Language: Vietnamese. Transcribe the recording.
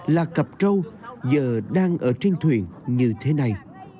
là cặp trâu giờ đang ở trên thuyền như thế này